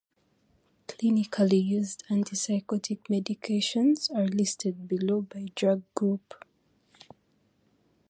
Clinically used antipsychotic medications are listed below by drug group.